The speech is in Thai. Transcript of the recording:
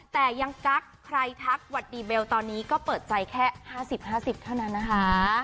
แต่ยังกักใครทักวัดดีเบลตอนนี้ก็เปิดใจแค่๕๐๕๐เท่านั้นนะคะ